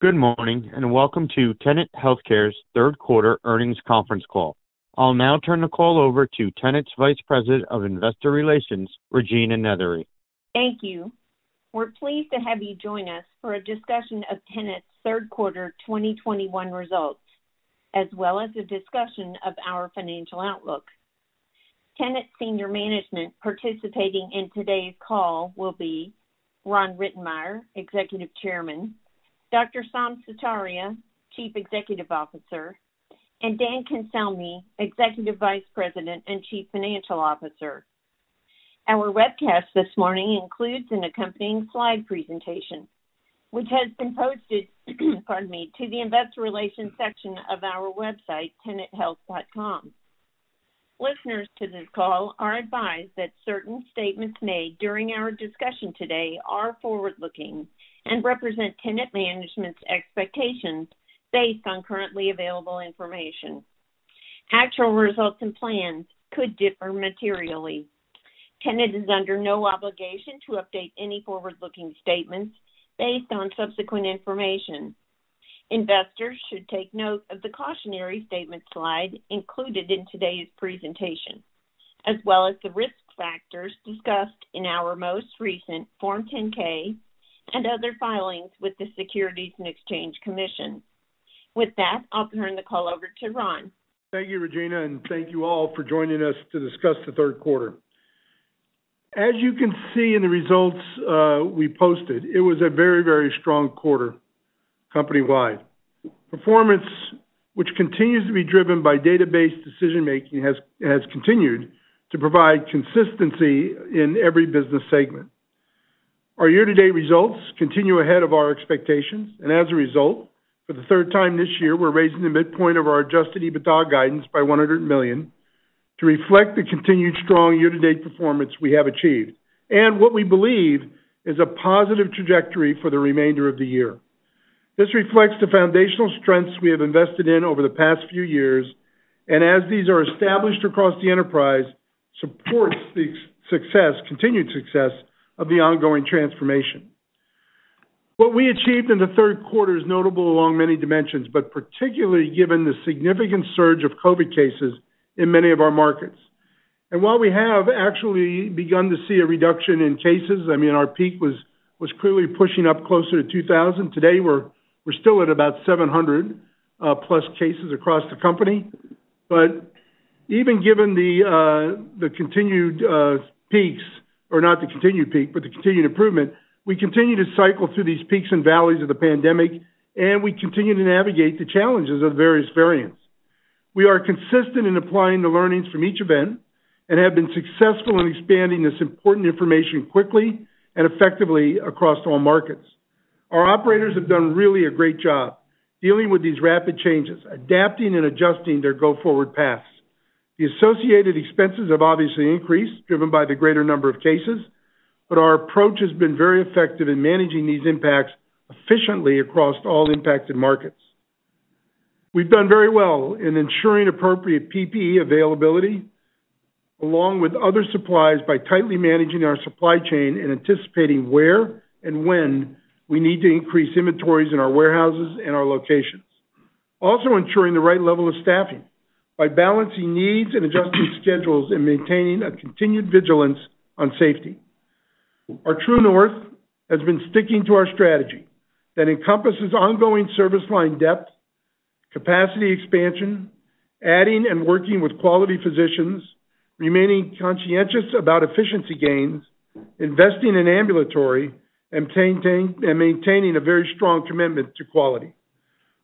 Good morning, and welcome to Tenet Healthcare's third quarter earnings conference call. I'll now turn the call over to Tenet's Vice President of Investor Relations, Regina Nethery. Thank you. We're pleased to have you join us for a discussion of Tenet's third quarter 2021 results, as well as a discussion of our financial outlook. Tenet senior management participating in today's call will be Ron Rittenmeyer, Executive Chairman, Dr. Saum Sutaria, Chief Executive Officer, and Dan Cancelmi, Executive Vice President and Chief Financial Officer. Our webcast this morning includes an accompanying slide presentation, which has been posted, pardon me, to the investor relations section of our website, tenethealth.com. Listeners to this call are advised that certain statements made during our discussion today are forward-looking and represent Tenet management's expectations based on currently available information. Actual results and plans could differ materially. Tenet is under no obligation to update any forward-looking statements based on subsequent information. Investors should take note of the cautionary statement slide included in today's presentation, as well as the risk factors discussed in our most recent Form 10-K and other filings with the Securities and Exchange Commission. With that, I'll turn the call over to Ron. Thank you, Regina, and thank you all for joining us to discuss the third quarter. As you can see in the results we posted, it was a very strong quarter company-wide. Performance, which continues to be driven by data-based decision-making, has continued to provide consistency in every business segment. Our year-to-date results continue ahead of our expectations, and as a result, for the third time this year, we're raising the midpoint of our adjusted EBITDA guidance by $100 million to reflect the continued strong year-to-date performance we have achieved, and what we believe is a positive trajectory for the remainder of the year. This reflects the foundational strengths we have invested in over the past few years, and as these are established across the enterprise, supports the continued success of the ongoing transformation. What we achieved in the third quarter is notable along many dimensions, particularly given the significant surge of COVID cases in many of our markets. While we have actually begun to see a reduction in cases, I mean, our peak was clearly pushing up closer to 2,000. Today, we're still at about 700+ cases across the company. Even given the continued peaks, or not the continued peak, but the continued improvement, we continue to cycle through these peaks and valleys of the pandemic. We continue to navigate the challenges of various variants. We are consistent in applying the learnings from each event and have been successful in expanding this important information quickly and effectively across all markets. Our operators have done really a great job dealing with these rapid changes, adapting and adjusting their go-forward paths. The associated expenses have obviously increased, driven by the greater number of cases, but our approach has been very effective in managing these impacts efficiently across all impacted markets. We've done very well in ensuring appropriate PPE availability, along with other supplies, by tightly managing our supply chain and anticipating where and when we need to increase inventories in our warehouses and our locations. Ensuring the right level of staffing by balancing needs and adjusting schedules and maintaining a continued vigilance on safety. Our true north has been sticking to our strategy that encompasses ongoing service line depth, capacity expansion, adding and working with quality physicians, remaining conscientious about efficiency gains, investing in ambulatory, and maintaining a very strong commitment to quality.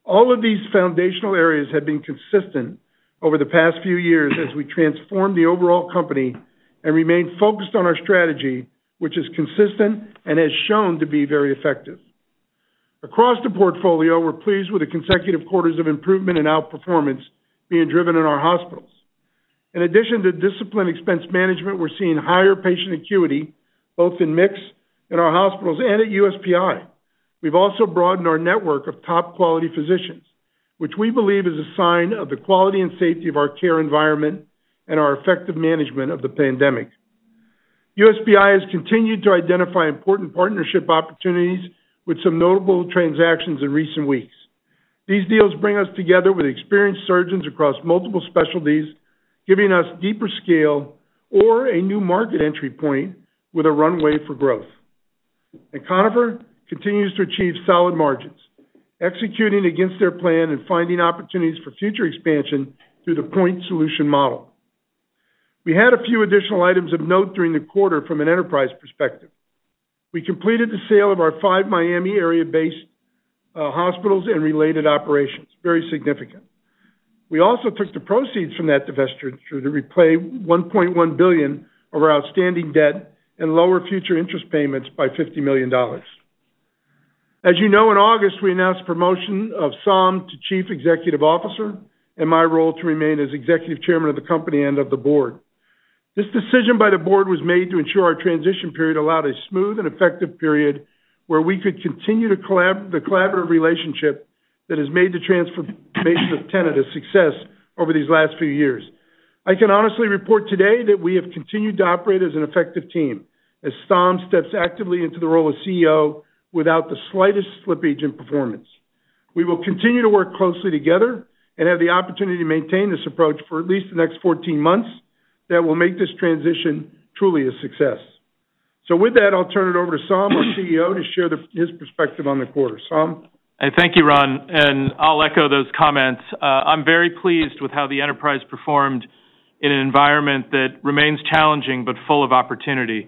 All of these foundational areas have been consistent over the past few years as we transform the overall company and remain focused on our strategy, which is consistent and has shown to be very effective. Across the portfolio, we're pleased with the consecutive quarters of improvement and outperformance being driven in our hospitals. In addition to disciplined expense management, we're seeing higher patient acuity, both in mix in our hospitals and at USPI. We've also broadened our network of top-quality physicians, which we believe is a sign of the quality and safety of our care environment and our effective management of the pandemic. USPI has continued to identify important partnership opportunities with some notable transactions in recent weeks. These deals bring us together with experienced surgeons across multiple specialties, giving us deeper scale or a new market entry point with a runway for growth. Conifer continues to achieve solid margins, executing against their plan and finding opportunities for future expansion through the point solution model. We had a few additional items of note during the quarter from an enterprise perspective. We completed the sale of our five Miami area-based hospitals and related operations. Very significant. We also took the proceeds from that divestiture to repay $1.1 billion of our outstanding debt and lower future interest payments by $50 million. As you know, in August, we announced promotion of Saum to Chief Executive Officer and my role to remain as Executive Chairman of the company and of the board. This decision by the board was made to ensure our transition period allowed a smooth and effective period where we could continue the collaborative relationship that has made the transformation of Tenet a success over these last few years. I can honestly report today that we have continued to operate as an effective team. As Saum steps actively into the role of Chief Executive Officer without the slightest slippage in performance. We will continue to work closely together and have the opportunity to maintain this approach for at least the next 14 months, that will make this transition truly a success. With that, I'll turn it over to Saum, our Chief Executive Officer, to share his perspective on the quarter. Saum? Thank you, Ron. I'll echo those comments. I'm very pleased with how the enterprise performed in an environment that remains challenging, but full of opportunity.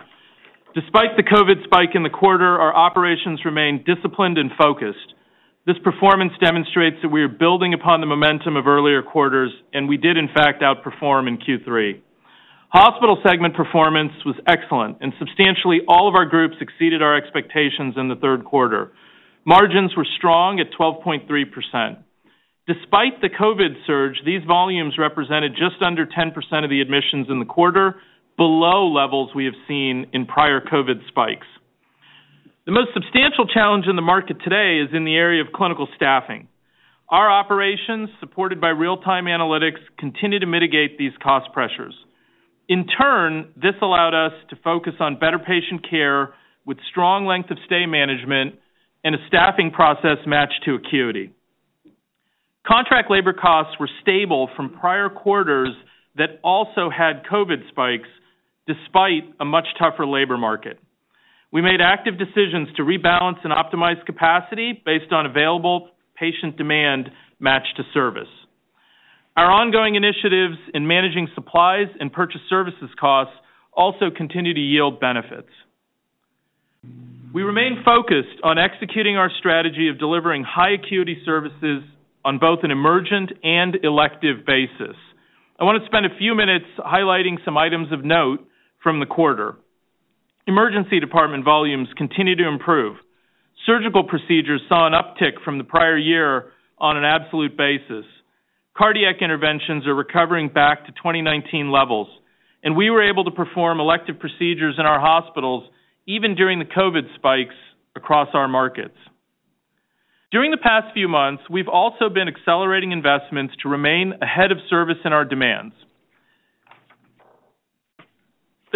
Despite the COVID spike in the quarter, our operations remained disciplined and focused. This performance demonstrates that we are building upon the momentum of earlier quarters, and we did in fact outperform in Q3. Hospital segment performance was excellent, and substantially all of our groups exceeded our expectations in the third quarter. Margins were strong at 12.3%. Despite the COVID surge, these volumes represented just under 10% of the admissions in the quarter, below levels we have seen in prior COVID spikes. The most substantial challenge in the market today is in the area of clinical staffing. Our operations, supported by real-time analytics, continue to mitigate these cost pressures. In turn, this allowed us to focus on better patient care with strong length of stay management and a staffing process matched to acuity. Contract labor costs were stable from prior quarters that also had COVID spikes, despite a much tougher labor market. We made active decisions to rebalance and optimize capacity based on available patient demand matched to service. Our ongoing initiatives in managing supplies and purchase services costs also continue to yield benefits. We remain focused on executing our strategy of delivering high acuity services on both an emergent and elective basis. I want to spend a few minutes highlighting some items of note from the quarter. Emergency department volumes continue to improve. Surgical procedures saw an uptick from the prior year on an absolute basis. Cardiac interventions are recovering back to 2019 levels. We were able to perform elective procedures in our hospitals, even during the COVID spikes across our markets. During the past few months, we've also been accelerating investments to remain ahead of service in our demands.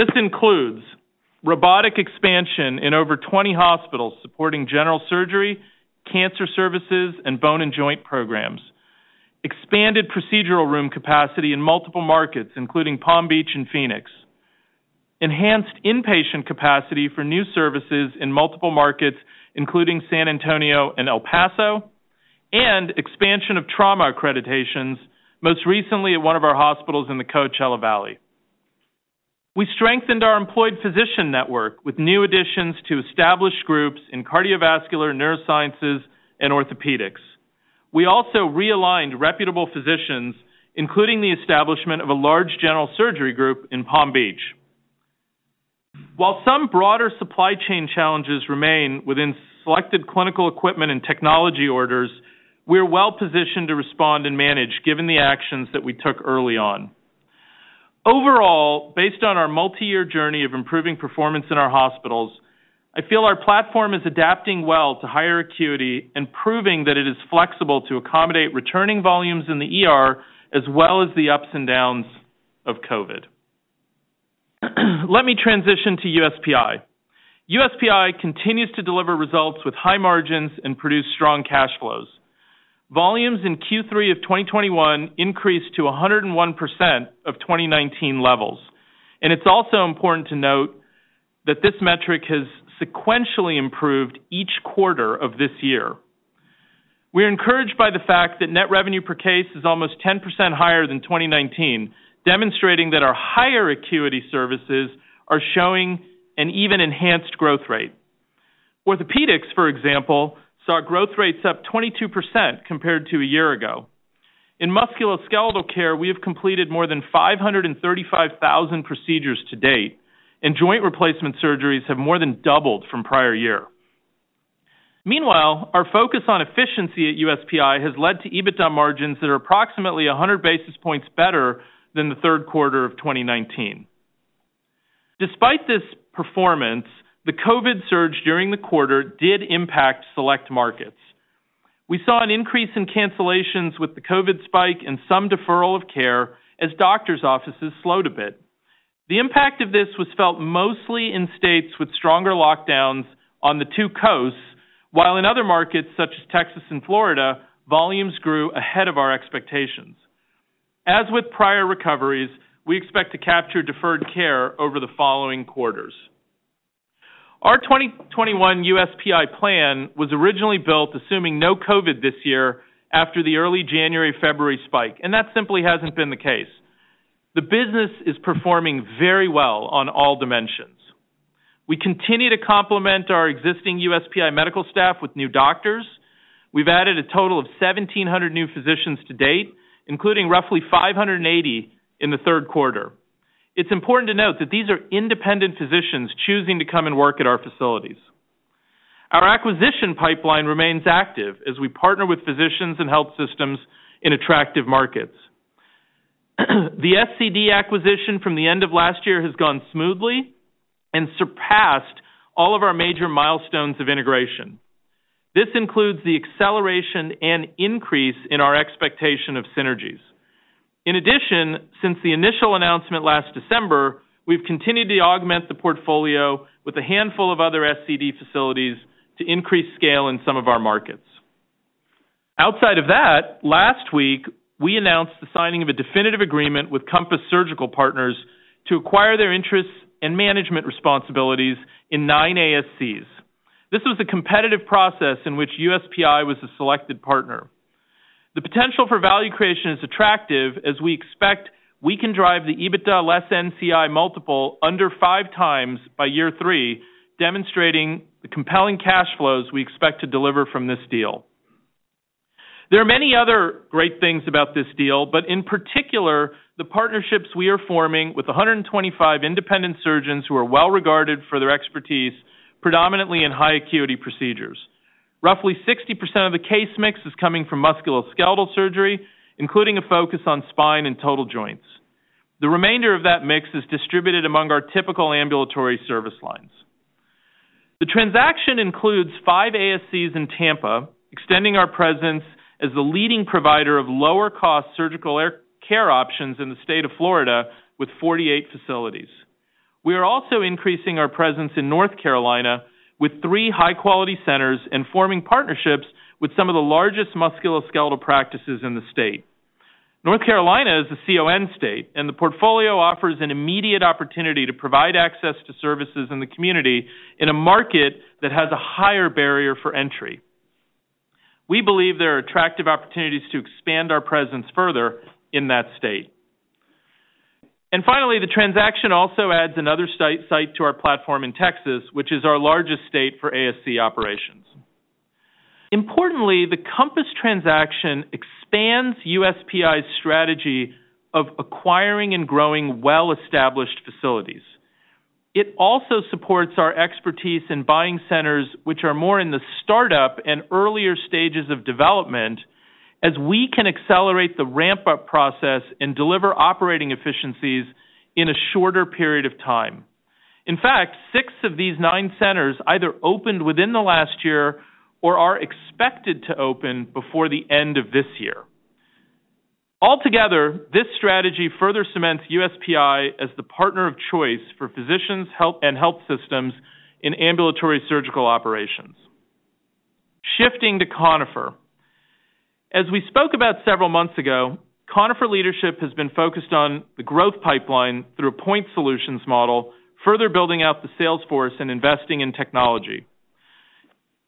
This includes robotic expansion in over 20 hospitals supporting general surgery, cancer services, and bone and joint programs. Expanded procedural room capacity in multiple markets, including Palm Beach and Phoenix. Enhanced inpatient capacity for new services in multiple markets, including San Antonio and El Paso. Expansion of trauma accreditations, most recently at one of our hospitals in the Coachella Valley. We strengthened our employed physician network with new additions to established groups in cardiovascular, neurosciences, and orthopedics. We also realigned reputable physicians, including the establishment of a large general surgery group in Palm Beach. While some broader supply chain challenges remain within selected clinical equipment and technology orders, we are well-positioned to respond and manage, given the actions that we took early on. Overall, based on our multi-year journey of improving performance in our hospitals, I feel our platform is adapting well to higher acuity and proving that it is flexible to accommodate returning volumes in the ER, as well as the ups and downs of COVID. Let me transition to USPI. USPI continues to deliver results with high margins and produce strong cash flows. Volumes in Q3 of 2021 increased to 101% of 2019 levels. It's also important to note that this metric has sequentially improved each quarter of this year. We're encouraged by the fact that net revenue per case is almost 10% higher than 2019, demonstrating that our higher acuity services are showing an even enhanced growth rate. Orthopedics, for example, saw growth rates up 22% compared to a year ago. In musculoskeletal care, we have completed more than 535,000 procedures to date, and joint replacement surgeries have more than doubled from prior year. Meanwhile, our focus on efficiency at USPI has led to EBITDA margins that are approximately 100 basis points better than the third quarter of 2019. Despite this performance, the COVID surge during the quarter did impact select markets. We saw an increase in cancellations with the COVID spike and some deferral of care as doctor's offices slowed a bit. The impact of this was felt mostly in states with stronger lockdowns on the two coasts, while in other markets such as Texas and Florida, volumes grew ahead of our expectations. As with prior recoveries, we expect to capture deferred care over the following quarters. Our 2021 USPI plan was originally built assuming no COVID this year after the early January, February spike. That simply hasn't been the case. The business is performing very well on all dimensions. We continue to complement our existing USPI medical staff with new doctors. We've added a total of 1,700 new physicians to date, including roughly 580 physicians in the third quarter. It's important to note that these are independent physicians choosing to come and work at our facilities. Our acquisition pipeline remains active as we partner with physicians and health systems in attractive markets. The SCD acquisition from the end of last year has gone smoothly and surpassed all of our major milestones of integration. This includes the acceleration and increase in our expectation of synergies. In addition, since the initial announcement last December, we've continued to augment the portfolio with a handful of other SCD facilities to increase scale in some of our markets. Outside of that, last week, we announced the signing of a definitive agreement with Compass Surgical Partners to acquire their interests and management responsibilities in nine ASCs. This was a competitive process in which USPI was the selected partner. The potential for value creation is attractive, as we expect we can drive the EBITDA less NCI multiple under 5x by year three, demonstrating the compelling cash flows we expect to deliver from this deal. There are many other great things about this deal, but in particular, the partnerships we are forming with 125 independent surgeons who are well-regarded for their expertise, predominantly in high acuity procedures. Roughly 60% of the case mix is coming from musculoskeletal surgery, including a focus on spine and total joints. The remainder of that mix is distributed among our typical ambulatory service lines. The transaction includes five ASCs in Tampa, extending our presence as the leading provider of lower-cost surgical care options in the state of Florida with 48 facilities. We are also increasing our presence in North Carolina with three high-quality centers and forming partnerships with some of the largest musculoskeletal practices in the state. North Carolina is a CON state, and the portfolio offers an immediate opportunity to provide access to services in the community in a market that has a higher barrier for entry. We believe there are attractive opportunities to expand our presence further in that state. Finally, the transaction also adds another site to our platform in Texas, which is our largest state for ASC operations. Importantly, the Compass transaction expands USPI's strategy of acquiring and growing well-established facilities. It also supports our expertise in buying centers, which are more in the startup and earlier stages of development, as we can accelerate the ramp-up process and deliver operating efficiencies in a shorter period of time. In fact, six of these nine centers either opened within the last year or are expected to open before the end of this year. Altogether, this strategy further cements USPI as the partner of choice for physicians and health systems in ambulatory surgical operations. Shifting to Conifer. As we spoke about several months ago, Conifer leadership has been focused on the growth pipeline through a point solutions model, further building out the sales force and investing in technology.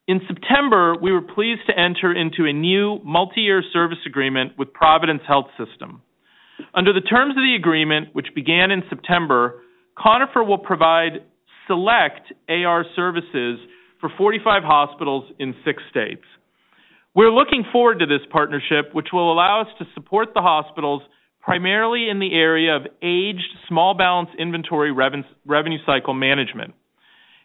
In September, we were pleased to enter into a new multi-year service agreement with Providence Health System. Under the terms of the agreement, which began in September, Conifer will provide select AR services for 45 hospitals in six states. We're looking forward to this partnership, which will allow us to support the hospitals primarily in the area of aged small balance inventory revenue cycle management.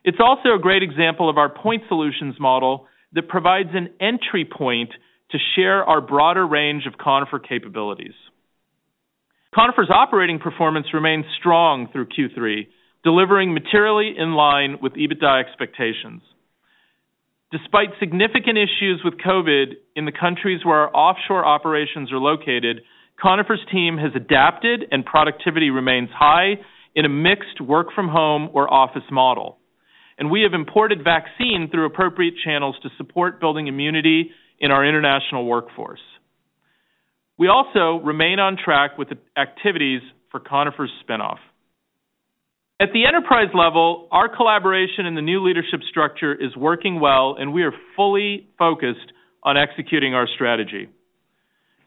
It's also a great example of our point solutions model that provides an entry point to share our broader range of Conifer capabilities. Conifer's operating performance remains strong through Q3, delivering materially in line with EBITDA expectations. Despite significant issues with COVID in the countries where our offshore operations are located, Conifer's team has adapted, and productivity remains high in a mixed work-from-home or office model. We have imported vaccine through appropriate channels to support building immunity in our international workforce. We also remain on track with the activities for Conifer's spin-off. At the enterprise level, our collaboration in the new leadership structure is working well, and we are fully focused on executing our strategy.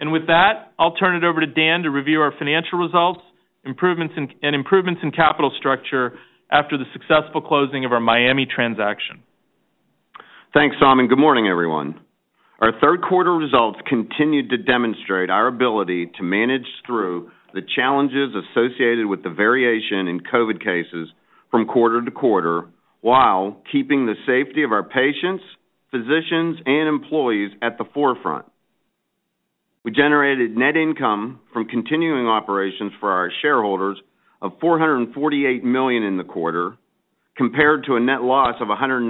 With that, I'll turn it over to Dan to review our financial results and improvements in capital structure after the successful closing of our Miami transaction. Thanks, Saum Sutaria, good morning, everyone. Our third quarter results continued to demonstrate our ability to manage through the challenges associated with the variation in COVID cases from quarter-to-quarter while keeping the safety of our patients, physicians, and employees at the forefront. We generated net income from continuing operations for our shareholders of $448 million in the quarter, compared to a net loss of $197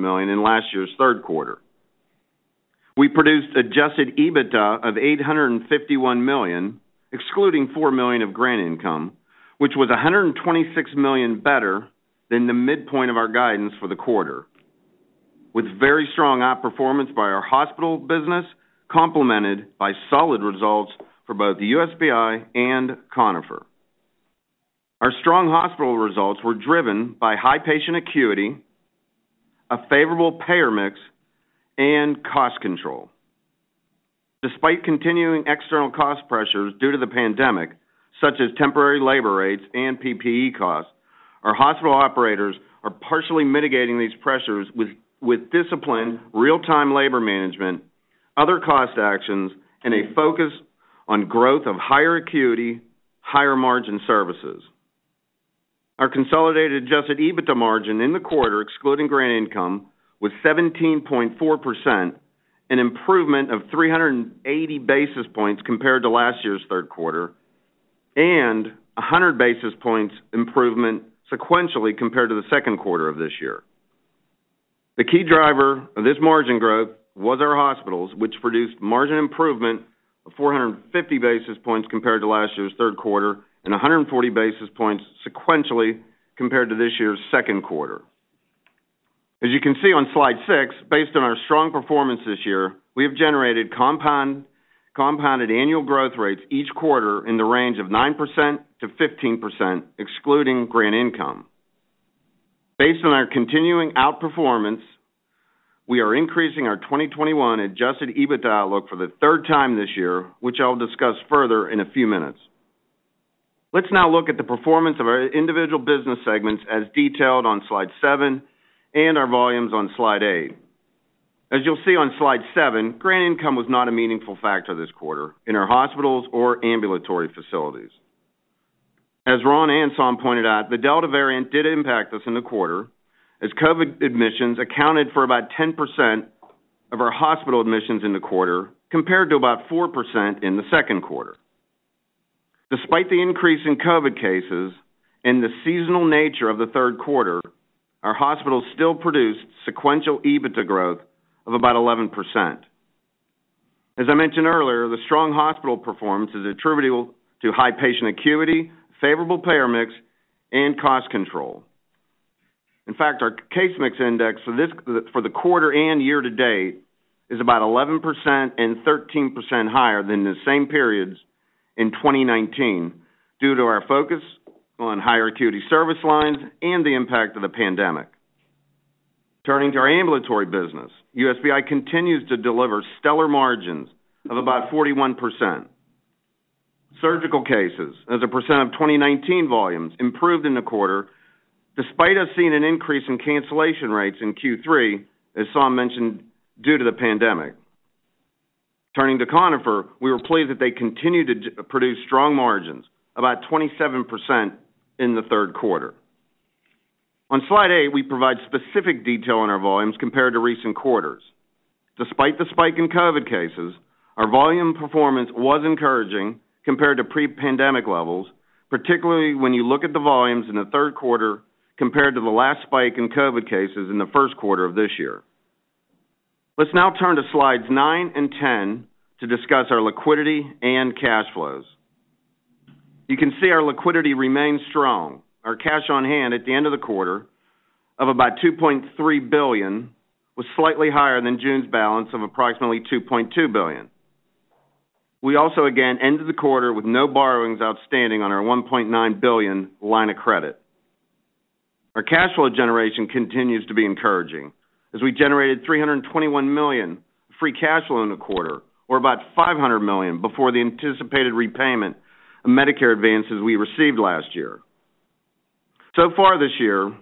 million in last year's third quarter. We produced adjusted EBITDA of $851 million, excluding $4 million of grant income, which was $126 million better than the midpoint of our guidance for the quarter, with very strong outperformance by our hospital business, complemented by solid results for both the USPI and Conifer. Our strong hospital results were driven by high patient acuity, a favorable payer mix, and cost control. Despite continuing external cost pressures due to the pandemic, such as temporary labor rates and PPE costs, our hospital operators are partially mitigating these pressures with disciplined real-time labor management, other cost actions, and a focus on growth of higher acuity, higher margin services. Our consolidated adjusted EBITDA margin in the quarter, excluding grant income, was 17.4%, an improvement of 380 basis points compared to last year's third quarter. 100 basis points improvement sequentially compared to the second quarter of this year. The key driver of this margin growth was our hospitals, which produced margin improvement of 450 basis points compared to last year's third quarter, and 140 basis points sequentially compared to this year's second quarter. As you can see on slide six, based on our strong performance this year, we have generated compounded annual growth rates each quarter in the range of 9%-15%, excluding grant income. Based on our continuing outperformance, we are increasing our 2021 adjusted EBITDA outlook for the third time this year, which I'll discuss further in a few minutes. Let's now look at the performance of our individual business segments as detailed on Slide seven, and our volumes on Slide eight. As you'll see on Slide seven, grant income was not a meaningful factor this quarter in our hospitals or ambulatory facilities. As Ron and Saum pointed out, the Delta variant did impact us in the quarter, as COVID admissions accounted for about 10% of our hospital admissions in the quarter, compared to about 4% in the second quarter. Despite the increase in COVID cases and the seasonal nature of the third quarter, our hospitals still produced sequential EBITDA growth of about 11%. As I mentioned earlier, the strong hospital performance is attributable to high patient acuity, favorable payer mix, and cost control. In fact, our case mix index for the quarter and year to date is about 11% and 13% higher than the same periods in 2019 due to our focus on higher acuity service lines and the impact of the pandemic. Turning to our ambulatory business, USPI continues to deliver stellar margins of about 41%. Surgical cases as a percent of 2019 volumes improved in the quarter, despite us seeing an increase in cancellation rates in Q3, as Saum mentioned, due to the pandemic. Turning to Conifer, we were pleased that they continue to produce strong margins, about 27% in the third quarter. On slide eight, we provide specific detail on our volumes compared to recent quarters. Despite the spike in COVID cases, our volume performance was encouraging compared to pre-pandemic levels, particularly when you look at the volumes in the third quarter compared to the last spike in COVID cases in the first quarter of this year. Let's now turn to slide nine and Slide 10 to discuss our liquidity and cash flows. You can see our liquidity remains strong. Our cash on hand at the end of the quarter of about $2.3 billion was slightly higher than June's balance of approximately $2.2 billion. We also again ended the quarter with no borrowings outstanding on our $1.9 billion line of credit. Our cash flow generation continues to be encouraging as we generated $321 million free cash flow in the quarter, or about $500 million before the anticipated repayment of Medicare advances we received last year. Far this year,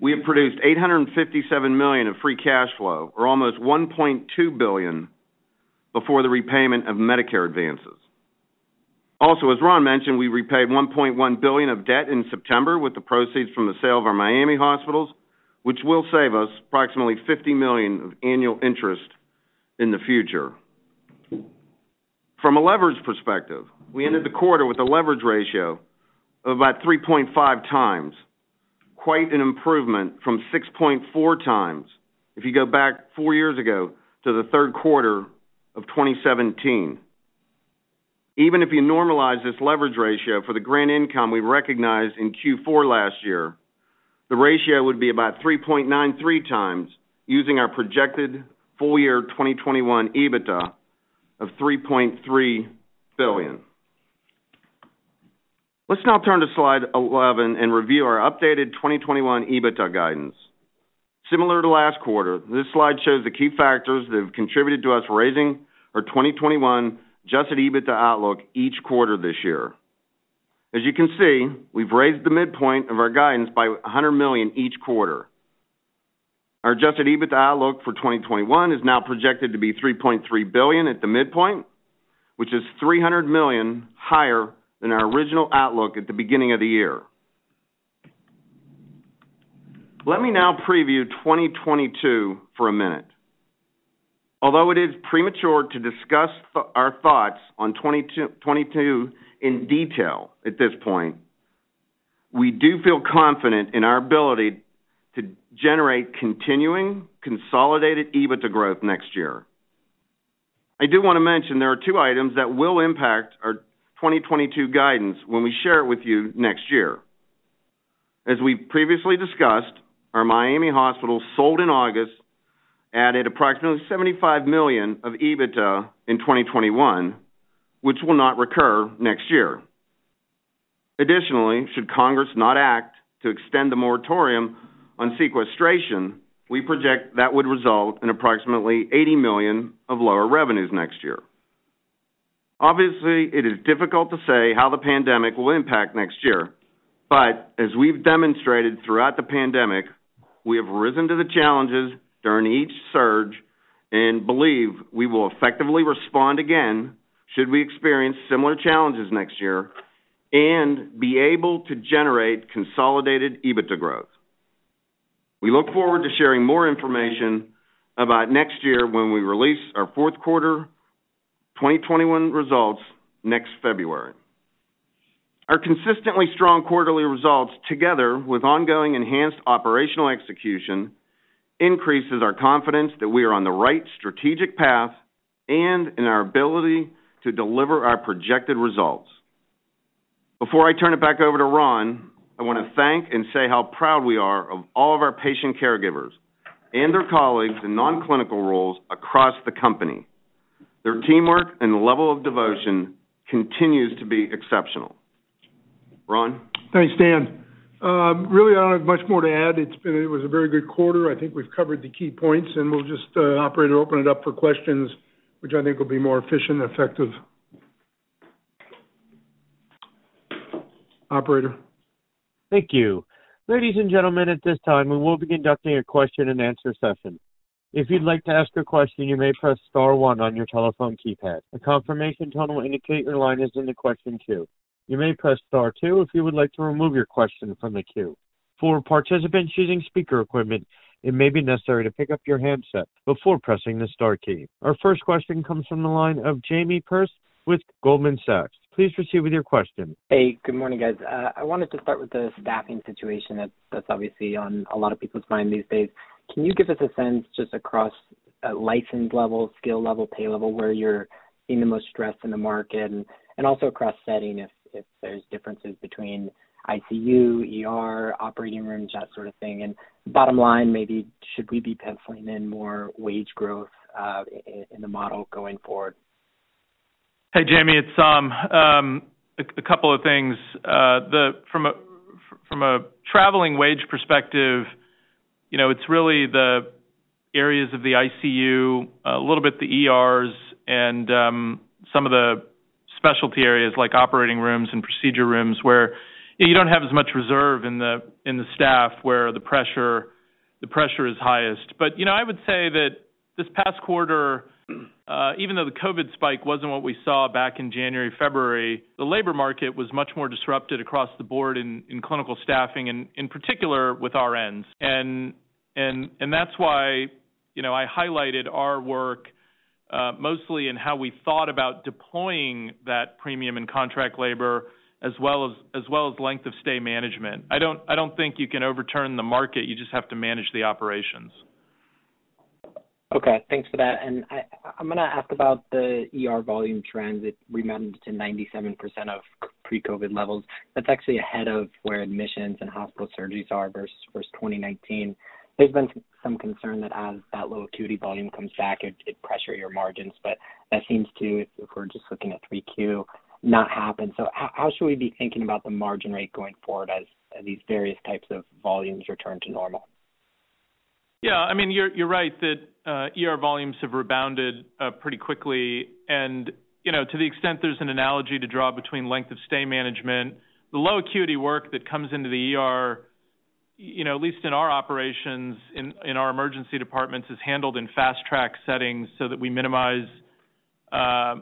we have produced $857 million of free cash flow, or almost $1.2 billion before the repayment of Medicare advances. Also, as Ron mentioned, we repaid $1.1 billion of debt in September with the proceeds from the sale of our Miami hospitals, which will save us approximately $50 million of annual interest in the future. From a leverage perspective, we ended the quarter with a leverage ratio of about 3.5x. Quite an improvement from 6.4x if you go back four years ago to the third quarter of 2017. Even if you normalize this leverage ratio for the grant income we recognized in Q4 last year, the ratio would be about 3.93x using our projected full year 2021 EBITDA of $3.3 billion. Let's now turn to Slide 11 and review our updated 2021 EBITDA guidance. Similar to last quarter, this slide shows the key factors that have contributed to us raising our 2021 adjusted EBITDA outlook each quarter this year. As you can see, we've raised the midpoint of our guidance by $100 million each quarter. Our adjusted EBITDA outlook for 2021 is now projected to be $3.3 billion at the midpoint, which is $300 million higher than our original outlook at the beginning of the year. Let me now preview 2022 for a minute. Although it is premature to discuss our thoughts on 2022 in detail at this point, we do feel confident in our ability to generate continuing consolidated EBITDA growth next year. I do want to mention there are two items that will impact our 2022 guidance when we share it with you next year. As we previously discussed, our Miami hospital sold in August added approximately $75 million of EBITDA in 2021, which will not recur next year. Should Congress not act to extend the moratorium on sequestration, we project that would result in approximately $80 million of lower revenues next year. It is difficult to say how the pandemic will impact next year, but as we've demonstrated throughout the pandemic, we have risen to the challenges during each surge and believe we will effectively respond again should we experience similar challenges next year and be able to generate consolidated EBITDA growth. We look forward to sharing more information about next year when we release our fourth quarter 2021 results next February. Our consistently strong quarterly results, together with ongoing enhanced operational execution, increases our confidence that we are on the right strategic path and in our ability to deliver our projected results. Before I turn it back over to Ron, I want to thank and say how proud we are of all of our patient caregivers and their colleagues in non-clinical roles across the company. Their teamwork and the level of devotion continues to be exceptional. Ron? Thanks, Dan. Really, I don't have much more to add. It was a very good quarter. I think we've covered the key points, and we'll just, operator, open it up for questions, which I think will be more efficient and effective. Operator? Thank you. Ladies and gentlemen, at this time, we will be conducting a question and answer session. If you'd like to ask a question, you may press star one on your telephone keypad. A confirmation tone will indicate your line is in the question queue. You may press star two if you would like to remove your question from the queue. For participants using speaker equipment, it may be necessary to pick up your handset before pressing the star key. Our first question comes from the line of Jamie Perse with Goldman Sachs. Please proceed with your question. Hey, good morning, guys. I wanted to start with the staffing situation that's obviously on a lot of people's minds these days. Can you give us a sense, just across licensed level, skill level, pay level, where you're seeing the most stress in the market, and also across setting, if there's differences between ICU, ER, operating rooms, that sort of thing. Bottom line may be, should we be penciling in more wage growth in the model going forward? Hey, Jamie, it's a couple of things. From a traveling wage perspective, it's really the areas of the ICU, a little bit the ERs, and some of the specialty areas like operating rooms and procedure rooms, where you don't have as much reserve in the staff where the pressure is highest. I would say that this past quarter, even though the COVID spike wasn't what we saw back in January, February, the labor market was much more disrupted across the board in clinical staffing, and in particular with RNs. That's why I highlighted our work, mostly in how we thought about deploying that premium and contract labor, as well as length of stay management. I don't think you can overturn the market. You just have to manage the operations. Okay. Thanks for that. I'm going to ask about the ER volume trends. It rebounded to 97% of pre-COVID levels. That's actually ahead of where admissions and hospital surgeries are versus 2019. There's been some concern that as that low acuity volume comes back, it'd pressure your margins, but that seems to, if we're just looking at 3Q, not happened. How should we be thinking about the margin rate going forward as these various types of volumes return to normal? Yeah, you're right that ER volumes have rebounded pretty quickly. To the extent there's an analogy to draw between length of stay management, the low acuity work that comes into the ER, at least in our operations, in our emergency departments, is handled in fast track settings so that we minimize the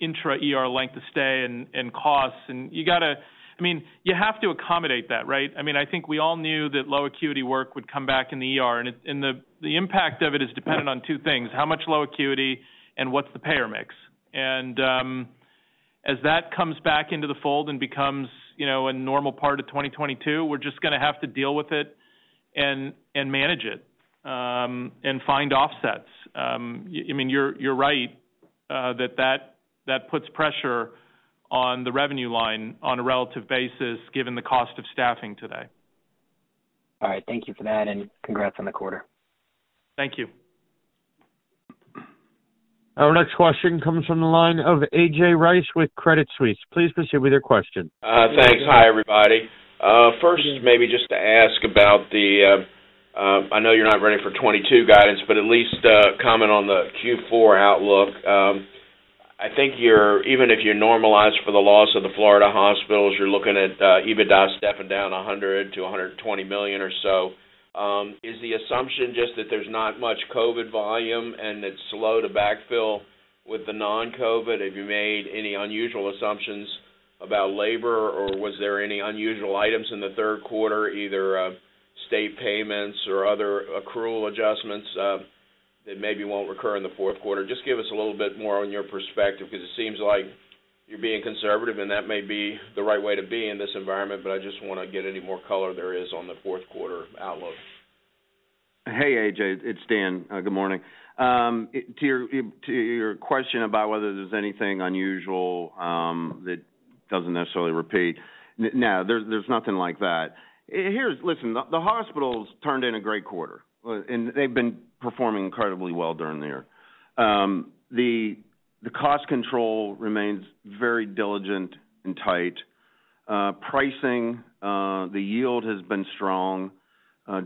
intra-ER length of stay and costs. You have to accommodate that, right? I think we all knew that low acuity work would come back in the ER, and the impact of it is dependent on two things, how much low acuity and what's the payer mix. As that comes back into the fold and becomes a normal part of 2022, we're just going to have to deal with it and manage it, and find offsets. You're right that that puts pressure on the revenue line on a relative basis, given the cost of staffing today. All right. Thank you for that, and congrats on the quarter. Thank you. Our next question comes from the line of A.J. Rice with Credit Suisse. Please proceed with your question. Thanks. Hi, everybody. First is maybe just to ask about, I know you're not ready for 2022 guidance, but at least comment on the Q4 outlook. I think even if you normalize for the loss of the Florida hospitals, you're looking at EBITDA stepping down $100 million-$120 million or so. Is the assumption just that there's not much COVID volume and it's slow to backfill with the non-COVID? Have you made any unusual assumptions about labor, or was there any unusual items in the third quarter, either state payments or other accrual adjustments, that maybe won't recur in the fourth quarter? Just give us a little bit more on your perspective, because it seems like you're being conservative, and that may be the right way to be in this environment, but I just want to get any more color there is on the fourth quarter outlook. Hey, A.J., it's Dan. Good morning. To your question about whether there's anything unusual that doesn't necessarily repeat, no, there's nothing like that. Listen, the hospitals turned in a great quarter. They've been performing incredibly well during the year. The cost control remains very diligent and tight. Pricing, the yield has been strong,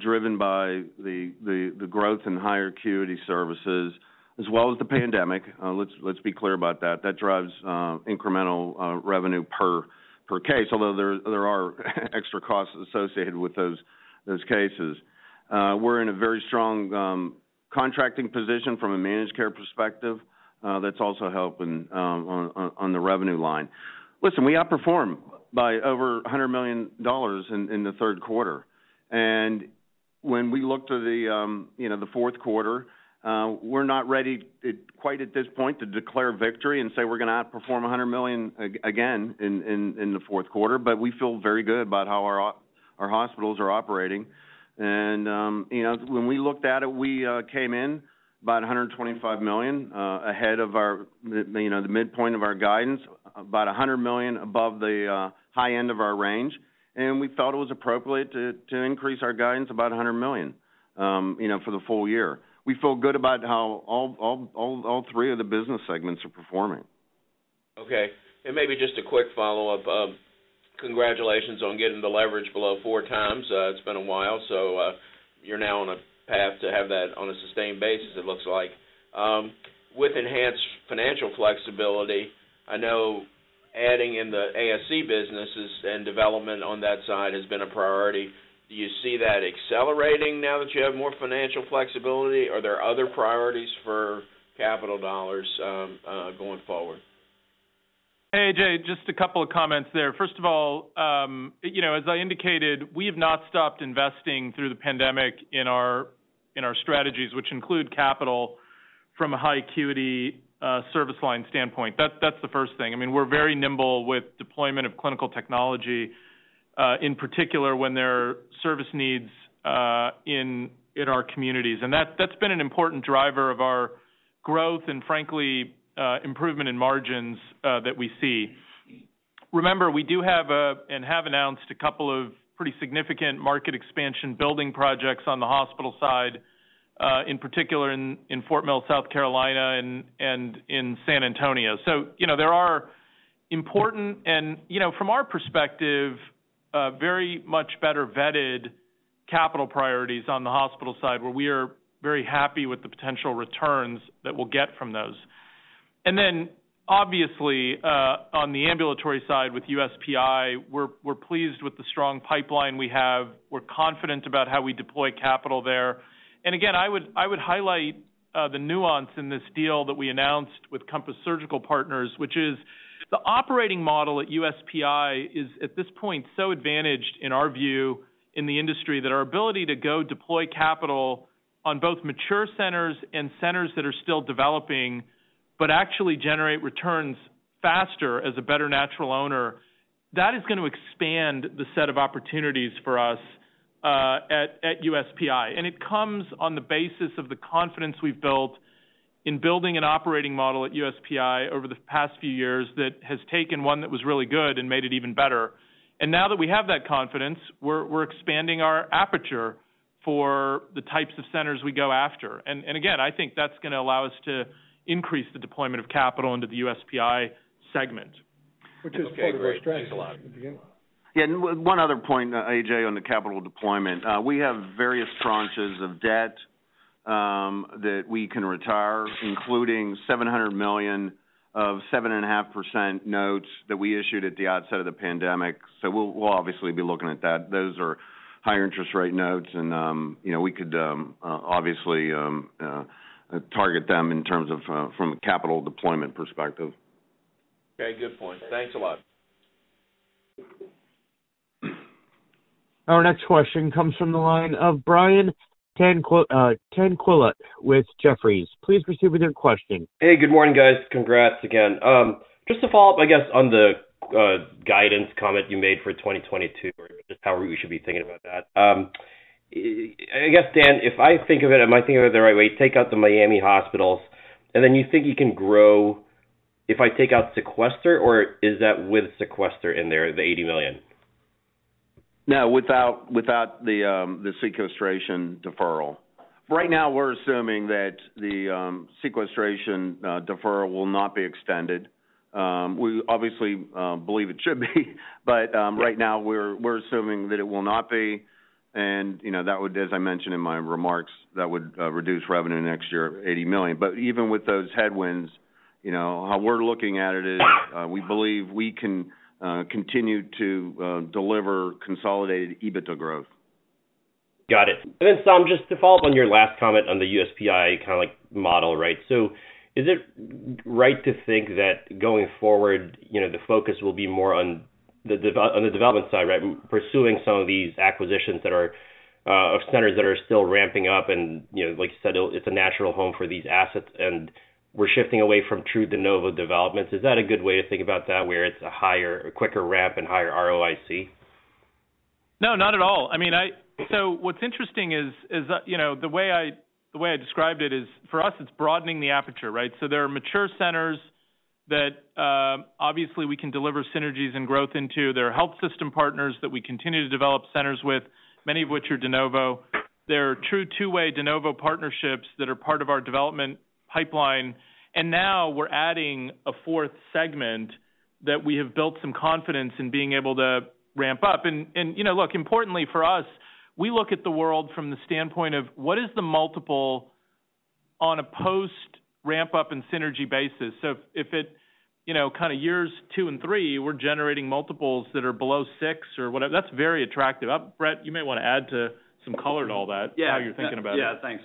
driven by the growth in higher acuity services, as well as the pandemic. Let's be clear about that. That drives incremental revenue per case, although there are extra costs associated with those cases. We're in a very strong contracting position from a managed care perspective. That's also helping on the revenue line. Listen, we outperformed by over $100 million in the third quarter. When we look to the fourth quarter, we're not ready quite at this point to declare victory and say we're going to outperform $100 million again in the fourth quarter. We feel very good about how our hospitals are operating. When we looked at it, we came in about $125 million ahead of the midpoint of our guidance, about $100 million above the high end of our range. We felt it was appropriate to increase our guidance about $100 million for the full year. We feel good about how all three of the business segments are performing. Okay. Maybe just a quick follow-up. Congratulations on getting the leverage below 4x. It's been a while. You're now on a path to have that on a sustained basis, it looks like. With enhanced financial flexibility, I know adding in the ASC businesses and development on that side has been a priority. Do you see that accelerating now that you have more financial flexibility? Are there other priorities for capital dollars going forward? Hey, A.J., just a couple of comments there. First of all, as I indicated, we have not stopped investing through the pandemic in our strategies, which include capital from a high acuity service line standpoint. That's the first thing. We're very nimble with deployment of clinical technology, in particular when there are service needs in our communities. That's been an important driver of our growth and frankly, improvement in margins that we see. Remember, we do have and have announced a couple of pretty significant market expansion building projects on the hospital side, in particular in Fort Mill, South Carolina and in San Antonio. There are important and, from our perspective, very much better-vetted capital priorities on the hospital side where we are very happy with the potential returns that we'll get from those. Obviously, on the ambulatory side with USPI, we're pleased with the strong pipeline we have. We're confident about how we deploy capital there. Again, I would highlight the nuance in this deal that we announced with Compass Surgical Partners, which is the operating model at USPI is at this point so advantaged in our view in the industry that our ability to go deploy capital on both mature centers and centers that are still developing, but actually generate returns faster as a better natural owner. That is going to expand the set of opportunities for us at USPI. It comes on the basis of the confidence we've built in building an operating model at USPI over the past few years that has taken one that was really good and made it even better. Now that we have that confidence, we're expanding our aperture for the types of centers we go after. Again, I think that's going to allow us to increase the deployment of capital into the USPI segment. Which is part of our strategy from the beginning. Okay, great. Thanks a lot. Yeah, one other point, AJ, on the capital deployment. We have various tranches of debt that we can retire, including $700 million of 7.5% notes that we issued at the outset of the pandemic. We'll obviously be looking at that. Those are higher interest rate notes, and we could obviously target them in terms of from a capital deployment perspective. Okay, good point. Thanks a lot. Our next question comes from the line of Brian Tanquilut with Jefferies. Please proceed with your question. Hey, good morning, guys. Congrats again. Just to follow up, I guess, on the guidance comment you made for 2022 or just how we should be thinking about that. I guess, Dan, if I think of it, am I thinking about it the right way? Take out the Miami hospitals, and then you think you can grow if I take out sequester, or is that with sequester in there, the $80 million? No, without the sequestration deferral. Right now, we're assuming that the sequestration deferral will not be extended. We obviously believe it should be, but right now we're assuming that it will not be, and that would, as I mentioned in my remarks, reduce revenue next year $80 million. Even with those headwinds, how we're looking at it is we believe we can continue to deliver consolidated EBITDA growth. Got it. Then, Saum, just to follow up on your last comment on the USPI model, is it right to think that going forward, the focus will be more on the development side, pursuing some of these acquisitions of centers that are still ramping up and like you said, it's a natural home for these assets and we're shifting away from true de novo developments. Is that a good way to think about that, where it's a quicker ramp and higher ROIC? No, not at all. What's interesting is the way I described it is for us, it's broadening the aperture, right? There are mature centers that obviously we can deliver synergies and growth into. There are health system partners that we continue to develop centers with, many of which are de novo. There are true two-way de novo partnerships that are part of our development pipeline. Now we're adding a fourth segment that we have built some confidence in being able to ramp up. Look, importantly for us, we look at the world from the standpoint of what is the multiple on a post ramp-up and synergy basis. If it years two and three, we're generating multiples that are below 6x or whatever, that's very attractive. Brett, you may want to add some color to all that, how you're thinking about it. Yeah, thanks.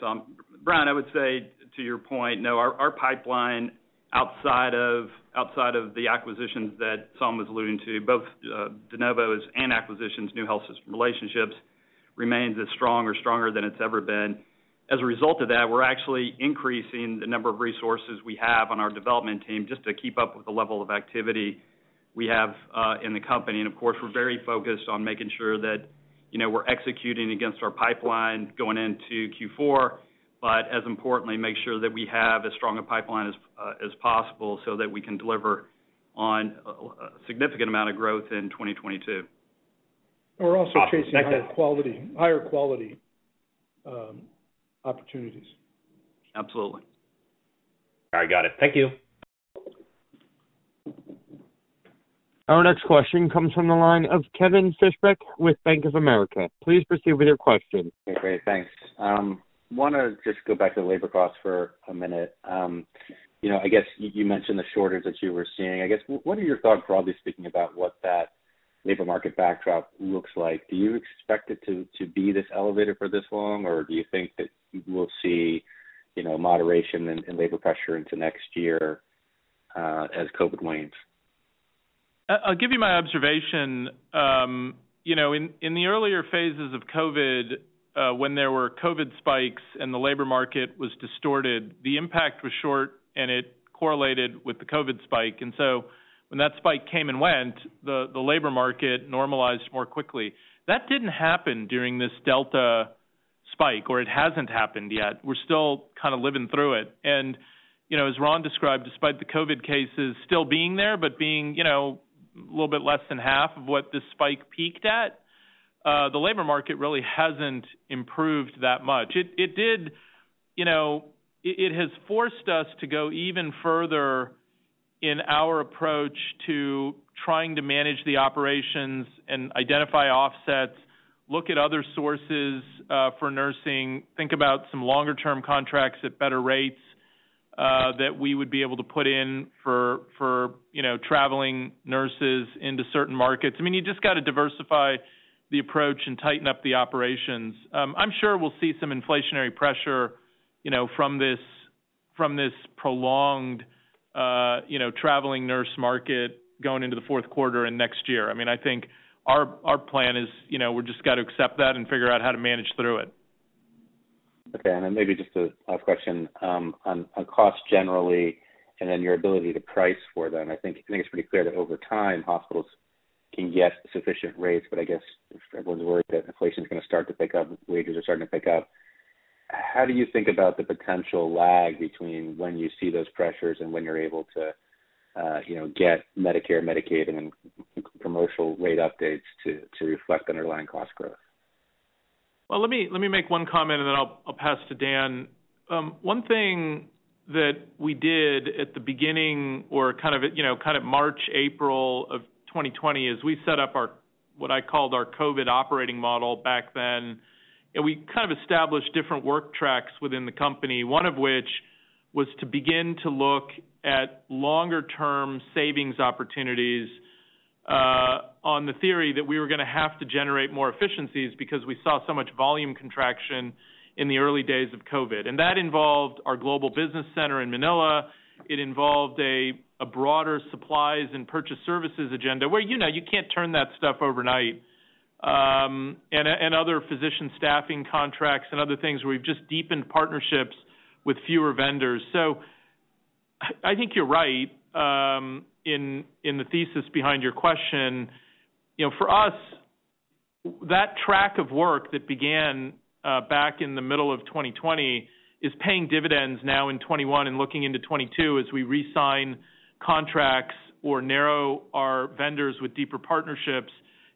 Brian, I would say to your point, our pipeline outside of the acquisitions that Saum was alluding to, both de novos and acquisitions, new health system relationships, remains as strong or stronger than it's ever been. As a result of that, we're actually increasing the number of resources we have on our development team just to keep up with the level of activity we have in the company. Of course, we're very focused on making sure that we're executing against our pipeline going into Q4, but as importantly, make sure that we have as strong a pipeline as possible so that we can deliver on a significant amount of growth in 2022. We're also chasing- Awesome. Thank you higher quality opportunities. Absolutely. All right. Got it. Thank you. Our next question comes from the line of Kevin Fischbeck with Bank of America. Please proceed with your question. Okay, great. Thanks. I want to just go back to labor costs for a minute. I guess you mentioned the shortage that you were seeing. I guess, what are your thoughts, broadly speaking, about what that labor market backdrop looks like? Do you expect it to be this elevated for this long, or do you think that we'll see moderation in labor pressure into next year, as COVID wanes? I'll give you my observation. In the earlier phases of COVID, when there were COVID spikes and the labor market was distorted, the impact was short, and it correlated with the COVID spike. When that spike came and went, the labor market normalized more quickly. That didn't happen during this Delta spike, or it hasn't happened yet. We're still living through it. As Ron described, despite the COVID cases still being there, but being a little bit less than half of what this spike peaked at, the labor market really hasn't improved that much. It has forced us to go even further in our approach to trying to manage the operations and identify offsets, look at other sources for nursing, think about some longer-term contracts at better rates that we would be able to put in for traveling nurses into certain markets. You've just got to diversify the approach and tighten up the operations. I'm sure we'll see some inflationary pressure from this prolonged traveling nurse market going into the fourth quarter and next year. I think our plan is we've just got to accept that and figure out how to manage through it. Okay. Maybe just a last question. On cost generally, and then your ability to price for them. I think it's pretty clear that over time, hospitals can get sufficient rates, but I guess everyone's worried that inflation's going to start to pick up, wages are starting to pick up. How do you think about the potential lag between when you see those pressures and when you're able to get Medicare, Medicaid, and commercial rate updates to reflect underlying cost growth? Well, let me make one comment, and then I'll pass to Dan. 1 thing that we did at the beginning or March, April of 2020 is we set up what I called our COVID operating model back then. We established different work tracks within the company, one of which was to begin to look at longer-term savings opportunities on the theory that we were going to have to generate more efficiencies because we saw so much volume contraction in the early days of COVID. That involved our global business center in Manila. It involved a broader supplies and purchase services agenda where you can't turn that stuff overnight. Other physician staffing contracts and other things where we've just deepened partnerships with fewer vendors. I think you're right in the thesis behind your question. For us, that track of work that began back in the middle of 2020 is paying dividends now in 2021 and looking into 2022 as we re-sign contracts or narrow our vendors with deeper partnerships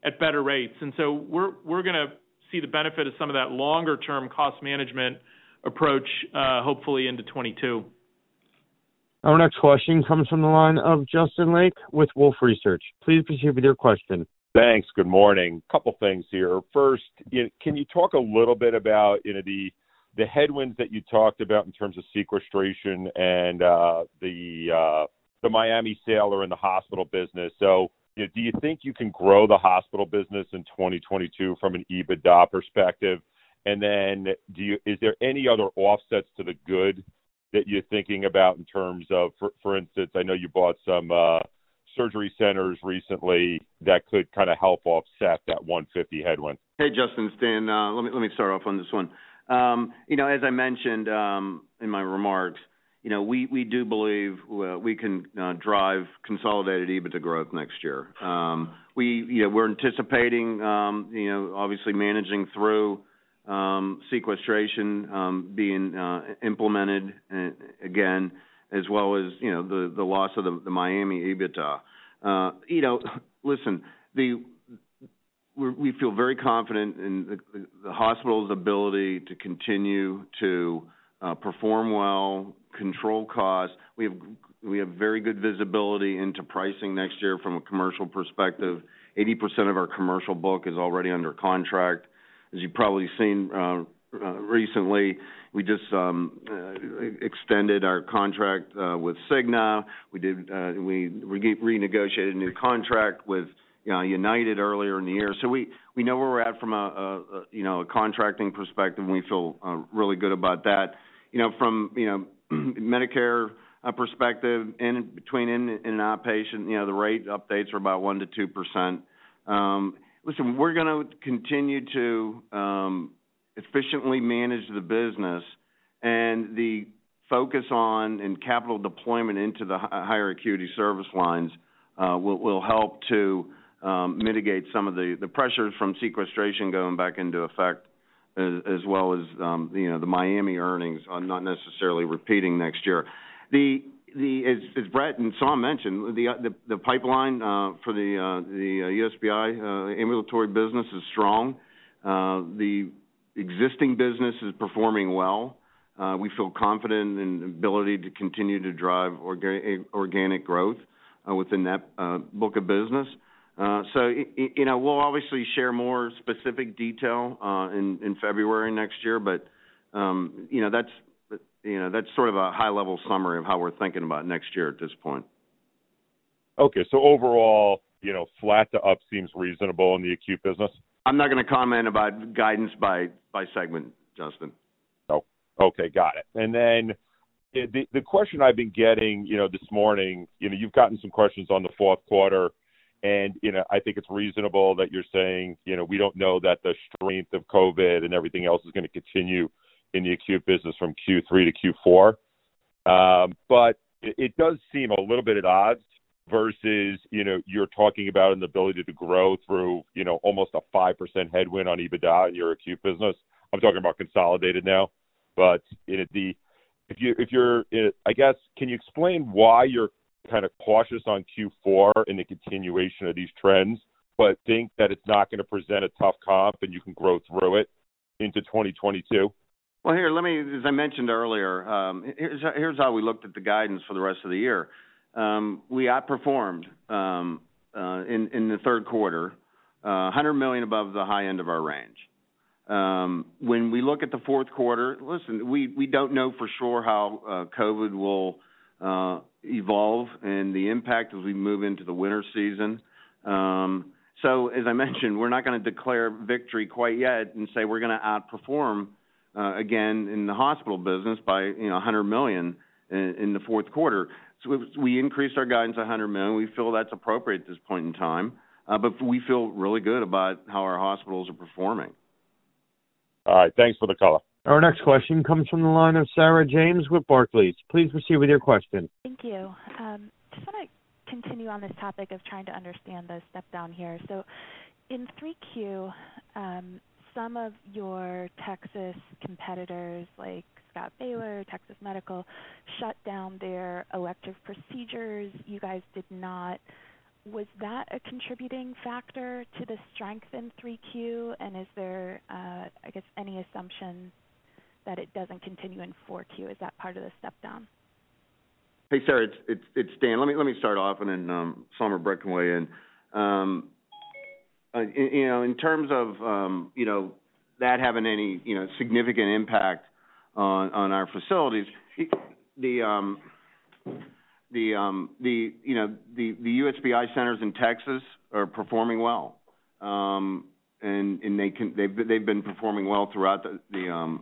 at better rates. We're going to see the benefit of some of that longer-term cost management approach hopefully into 2022. Our next question comes from the line of Justin Lake with Wolfe Research. Please proceed with your question. Thanks. Good morning. Couple things here. First, can you talk a little bit about the headwinds that you talked about in terms of sequestration and the Miami sale are in the hospital business. Do you think you can grow the hospital business in 2022 from an EBITDA perspective? Is there any other offsets to the good that you're thinking about in terms of, for instance, I know you bought some surgery centers recently that could help offset that $150 headwind. Hey, Justin, it's Dan. Let me start off on this one. As I mentioned in my remarks, we do believe we can drive consolidated EBITDA growth next year. We're anticipating, obviously managing through sequestration being implemented again, as well as the loss of the Miami EBITDA. Listen, we feel very confident in the hospital's ability to continue to perform well. Control costs. We have very good visibility into pricing next year from a commercial perspective. 80% of our commercial book is already under contract. As you've probably seen recently, we just extended our contract with Cigna. We renegotiated a new contract with UnitedHealthcare earlier in the year. We know where we're at from a contracting perspective, and we feel really good about that. From Medicare perspective, in between in and outpatients, the rate updates are about 1%-2%. Listen, we're going to continue to efficiently manage the business, and the focus on and capital deployment into the higher acuity service lines will help to mitigate some of the pressures from sequestration going back into effect, as well as the Miami earnings on not necessarily repeating next year. As Brett Brodnax and Saum Sutaria mentioned, the pipeline for the USPI ambulatory business is strong. The existing business is performing well. We feel confident in the ability to continue to drive organic growth within that book of business. We'll obviously share more specific detail in February next year, but that's a high-level summary of how we're thinking about next year at this point. Okay. Overall, flat to up seems reasonable in the acute business? I'm not going to comment about guidance by segment, Justin. Oh, okay. Got it. The question I've been getting this morning, you've gotten some questions on the fourth quarter, and I think it's reasonable that you're saying, we don't know that the strength of COVID and everything else is going to continue in the acute business from Q3 to Q4. It does seem a little bit at odds versus you're talking about an ability to grow through almost a 5% headwind on EBITDA in your acute business. I'm talking about consolidated now. I guess, can you explain why you're kind of cautious on Q4 in the continuation of these trends, but think that it's not going to present a tough comp and you can grow through it into 2022? Well, here, as I mentioned earlier, here's how we looked at the guidance for the rest of the year. We outperformed in the third quarter, $100 million above the high end of our range. When we look at the fourth quarter, listen, we don't know for sure how COVID will evolve and the impact as we move into the winter season. As I mentioned, we're not going to declare victory quite yet and say we're going to outperform again in the hospital business by $100 million in the fourth quarter. We increased our guidance $100 million. We feel that's appropriate at this point in time, but we feel really good about how our hospitals are performing. All right. Thanks for the call. Our next question comes from the line of Sarah James with Barclays. Please proceed with your question. Thank you. Just want to continue on this topic of trying to understand the step down here. In 3Q, some of your Texas competitors like Baylor Scott & White, Texas Medical Center, shut down their elective procedures. You guys did not. Was that a contributing factor to the strength in 3Q? Is there, I guess, any assumption that it doesn't continue in 4Q? Is that part of the step down? Hey, Sarah, it's Dan. Let me start off, and then Saum or Brett can weigh in. In terms of that having any significant impact on our facilities, the USPI centers in Texas are performing well. They've been performing well throughout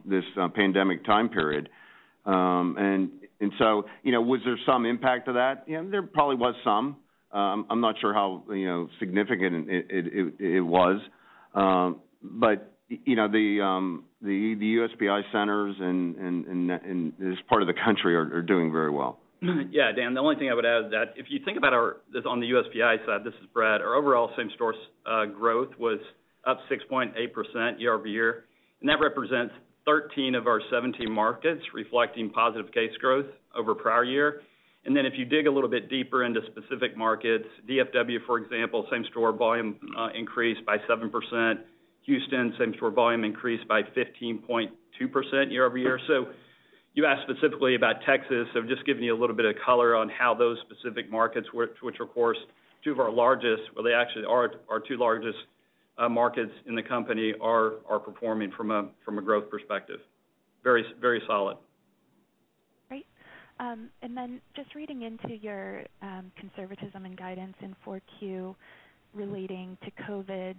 this pandemic time period. Was there some impact of that? Yeah, there probably was some. I'm not sure how significant it was. The USPI centers in this part of the country are doing very well. Yeah, Dan, the only thing I would add to that, if you think about our, on the USPI side, this is Brett, our overall same-store growth was up 6.8% year-over-year. That represents 13 markets of our 17 markets reflecting positive case growth over prior year. Then if you dig a little bit deeper into specific markets, DFW, for example, same-store volume increased by 7%. Houston, same-store volume increased by 15.2% year-over-year. You asked specifically about Texas. Just giving you a little bit of color on how those specific markets which, of course, two of our largest, well, they actually are our two largest markets in the company, are performing from a growth perspective. Very solid. Great. Just reading into your conservatism and guidance in 4Q relating to COVID,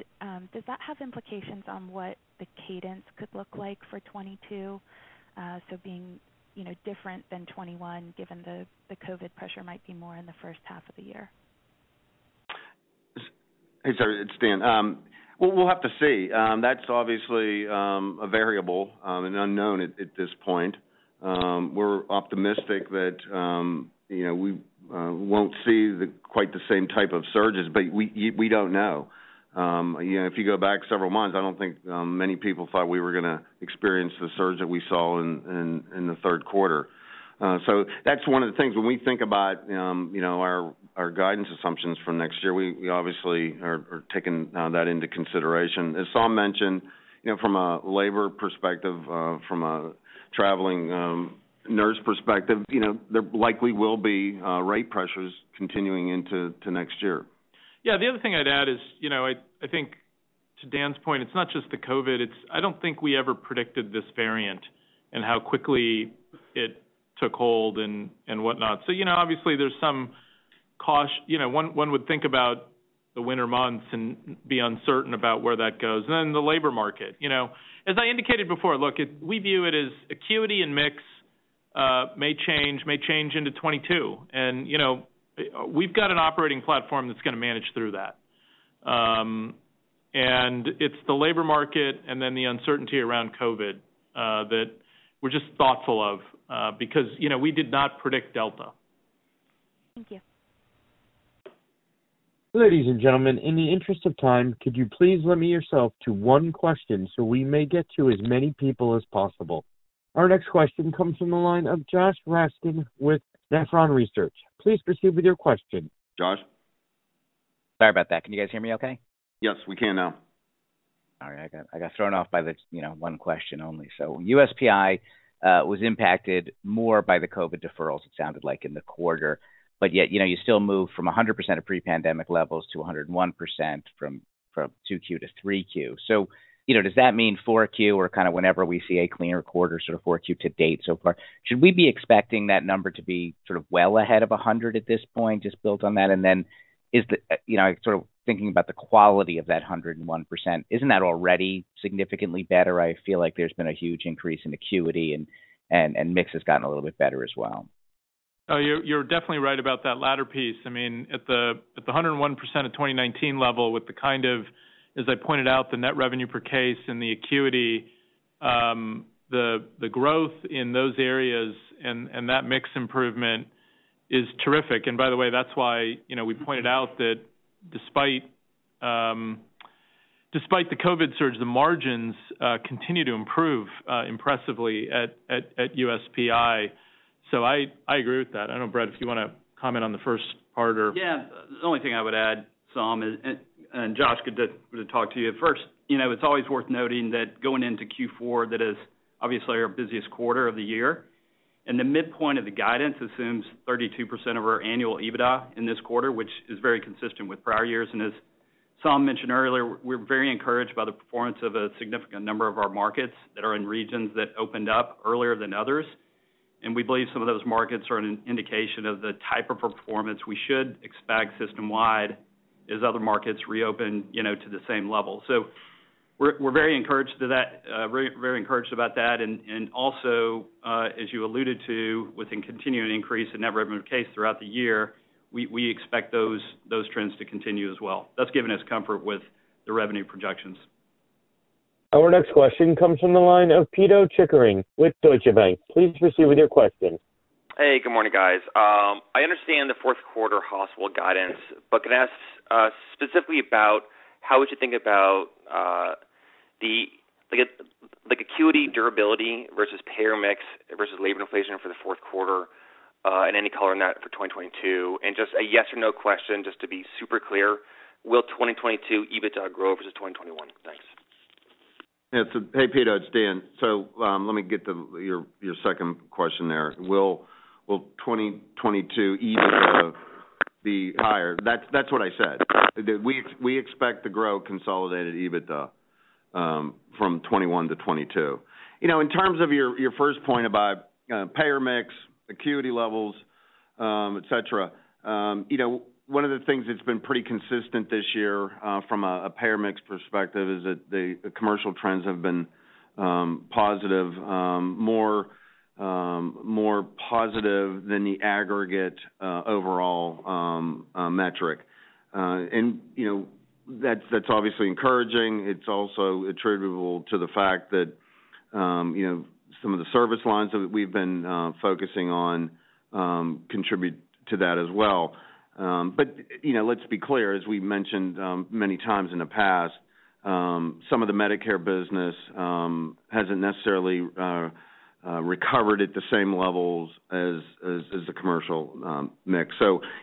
does that have implications on what the cadence could look like for 2022? Being different than 2021, given the COVID pressure might be more in the first half of the year. Hey, Sarah, it's Dan. We'll have to see. That's obviously a variable, an unknown at this point. We're optimistic that we won't see quite the same type of surges, but we don't know. If you go back several months, I don't think many people thought we were going to experience the surge that we saw in the third quarter. That's one of the things when we think about our guidance assumptions for next year, we obviously are taking that into consideration. As Saum mentioned, from a labor perspective, from a traveling nurse perspective, there likely will be rate pressures continuing into next year. The other thing I'd add is, I think to Dan's point, it's not just the COVID, it's I don't think we ever predicted this variant and how quickly it took hold and whatnot. Obviously there's some caution. One would think about the winter months and be uncertain about where that goes. The labor market. As I indicated before, look, we view it as acuity and mix may change into 2022. We've got an operating platform that's going to manage through that. It's the labor market and then the uncertainty around COVID, that we're just thoughtful of, because we did not predict Delta. Thank you. Ladies and gentlemen, in the interest of time, could you please limit yourself to one question so we may get to as many people as possible. Our next question comes from the line of Josh Raskin with Nephron Research. Please proceed with your question. Josh? Sorry about that. Can you guys hear me okay? Yes, we can now. All right. I got thrown off by the one question only. USPI was impacted more by the COVID deferrals, it sounded like in the quarter, but yet you still move from 100% of pre-pandemic levels to 101% from 2Q to 3Q. Does that mean 4Q or whenever we see a cleaner quarter, sort of 4Q to date so far, should we be expecting that number to be well ahead of 100 at this point, just built on that? Then, thinking about the quality of that 101%, isn't that already significantly better? I feel like there's been a huge increase in acuity and mix has gotten a little bit better as well. Oh, you're definitely right about that latter piece. At the 101% of 2019 level with the, as I pointed out, the net revenue per case and the acuity, the growth in those areas and that mix improvement is terrific. By the way, that's why we pointed out that despite the COVID surge, the margins continue to improve impressively at USPI. I agree with that. I don't know, Brett, if you want to comment on the first part? Yeah. The only thing I would add, Saum Sutaria, and Josh Raskin, good to talk to you. First, it's always worth noting that going into Q4, that is obviously our busiest quarter of the year. The midpoint of the guidance assumes 32% of our annual EBITDA in this quarter, which is very consistent with prior years. As Saum Sutaria mentioned earlier, we're very encouraged by the performance of a significant number of our markets that are in regions that opened up earlier than others. We believe some of those markets are an indication of the type of performance we should expect system-wide as other markets reopen to the same level. We're very encouraged about that. Also, as you alluded to, with a continuing increase in net revenue per case throughout the year, we expect those trends to continue as well. That's given us comfort with the revenue projections. Our next question comes from the line of Pito Chickering with Deutsche Bank. Please proceed with your question. Hey, good morning, guys. I understand the fourth quarter hospital guidance, but can I ask specifically about how would you think about the acuity durability versus payer mix versus labor inflation for the fourth quarter, and any color on that for 2022? Just a yes or no question, just to be super clear, will 2022 EBITDA grow versus 2021? Thanks. Yeah. Hey, Pito, it's Dan. Let me get to your second question there. Will 2022 EBITDA be higher? That's what I said. We expect to grow consolidated EBITDA from 2021-2022. In terms of your first point about payer mix, acuity levels, et cetera, one of the things that's been pretty consistent this year, from a payer mix perspective is that the commercial trends have been positive, more positive than the aggregate overall metric. That's obviously encouraging. It's also attributable to the fact that some of the service lines that we've been focusing on contribute to that as well. Let's be clear, as we've mentioned many times in the past, some of the Medicare business hasn't necessarily recovered at the same levels as the commercial mix.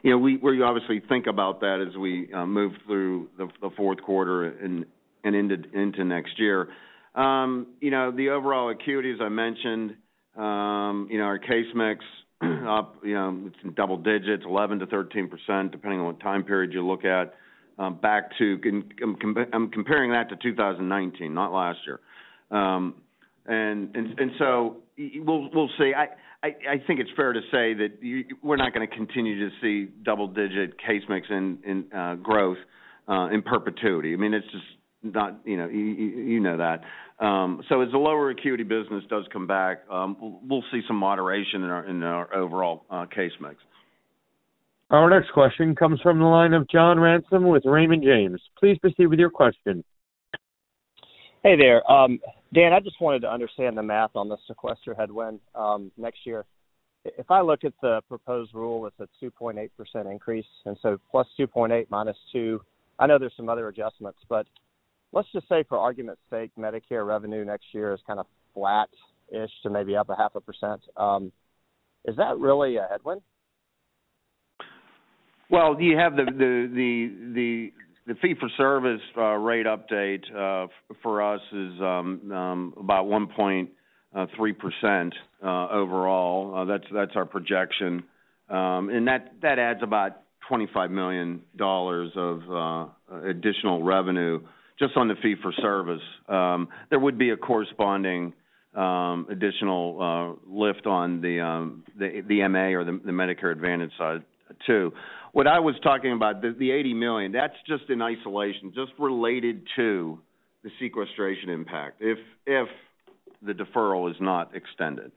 We obviously think about that as we move through the fourth quarter and into next year. The overall acuity, as I mentioned, our case mix up in double digits, 11%-13%, depending on what time period you look at. I'm comparing that to 2019, not last year. We'll see. I think it's fair to say that we're not going to continue to see double-digit case mix growth in perpetuity. You know that. As the lower acuity business does come back, we'll see some moderation in our overall case mix. Our next question comes from the line of John Ransom with Raymond James. Please proceed with your question. Hey there. Dan, I just wanted to understand the math on the sequester headwind next year. If I look at the proposed rule, it's a 2.8% increase, +2.8%, -2%. I know there's some other adjustments, let's just say for argument's sake, Medicare revenue next year is kind of flat-ish to maybe up 0.5%. Is that really a headwind? Well, you have the fee-for-service rate update for us is about 1.3% overall. That's our projection. That adds about $25 million of additional revenue just on the fee-for-service. There would be a corresponding additional lift on the MA or the Medicare Advantage side too. What I was talking about, the $80 million, that's just in isolation, just related to the sequestration impact if the deferral is not extended.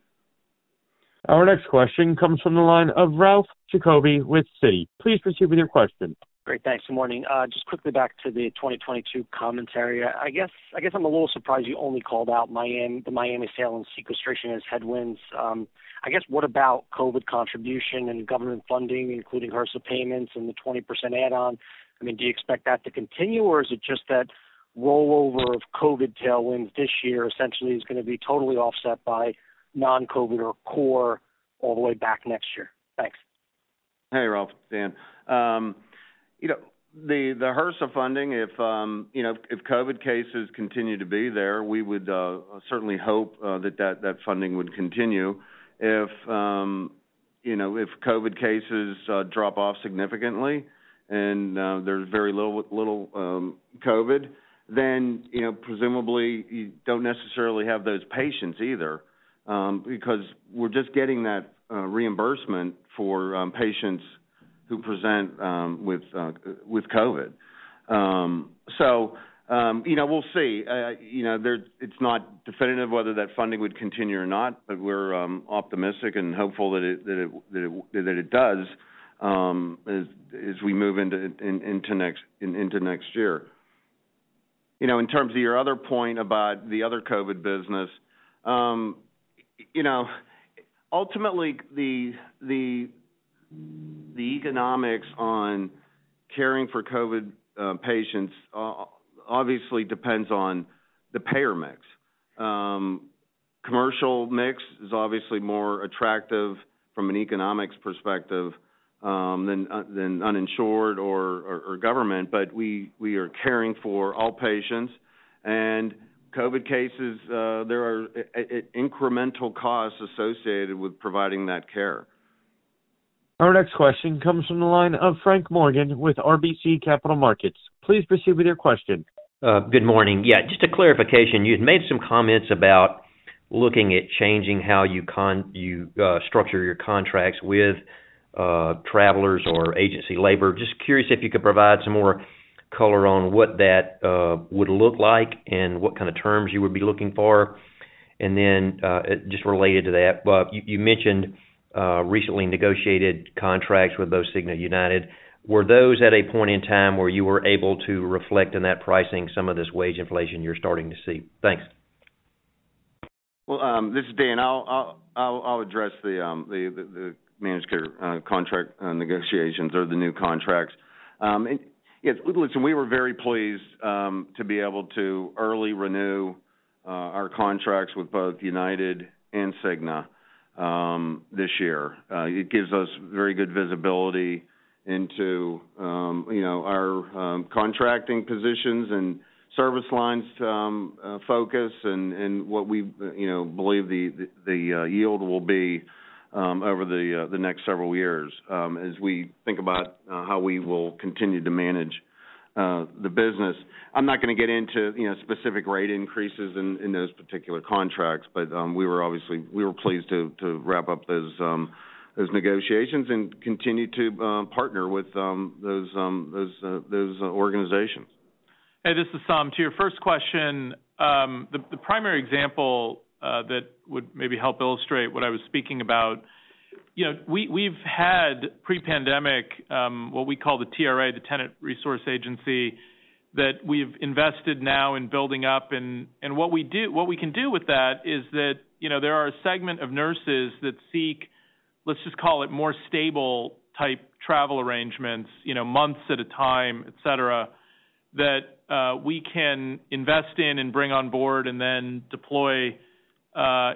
Our next question comes from the line of Ralph Giacobbe with Citi. Please proceed with your question. Great. Thanks. Good morning. Just quickly back to the 2022 commentary. I guess I'm a little surprised you only called out the Miami sale and sequestration as headwinds. I guess, what about COVID contribution and government funding, including HRSA payments and the 20% add-on? I mean, do you expect that to continue, or is it just that rollover of COVID tailwinds this year essentially is going to be totally offset by non-COVID or core all the way back next year? Thanks. Hey, Ralph. Dan. The HRSA funding, if COVID cases continue to be there, we would certainly hope that that funding would continue. If COVID cases drop off significantly and there's very little COVID, then presumably, you don't necessarily have those patients either, because we're just getting that reimbursement for patients who present with COVID. We'll see. It's not definitive whether that funding would continue or not, but we're optimistic and hopeful that it does as we move into next year. In terms of your other point about the other COVID business, ultimately the economics on caring for COVID patients obviously depends on the payer mix. Commercial mix is obviously more attractive from an economics perspective than uninsured or government, but we are caring for all patients. COVID cases, there are incremental costs associated with providing that care. Our next question comes from the line of Frank Morgan with RBC Capital Markets. Please proceed with your question. Good morning. Yeah, just a clarification. You had made some comments about looking at changing how you structure your contracts with travelers or agency labor. Just curious if you could provide some more color on what that would look like and what kind of terms you would be looking for. Just related to that, you mentioned recently negotiated contracts with both Cigna and UnitedHealthcare. Were those at a point in time where you were able to reflect in that pricing some of this wage inflation you're starting to see? Thanks. Well, this is Dan. I'll address the managed care contract negotiations or the new contracts. Listen, we were very pleased to be able to early renew our contracts with both UnitedHealthcare and Cigna this year. It gives us very good visibility into our contracting positions and service lines to focus and what we believe the yield will be over the next several years, as we think about how we will continue to manage the business. I'm not going to get into specific rate increases in those particular contracts, but we were pleased to wrap up those negotiations and continue to partner with those organizations. Hey, this is Saum. To your first question, the primary example that would maybe help illustrate what I was speaking about, we've had pre-pandemic, what we call the TRA, the Tenet Resource Agency, that we've invested now in building up. What we can do with that is that there are a segment of nurses that seek, let's just call it more stable type travel arrangements, months at a time, et cetera, that we can invest in and bring on board and then deploy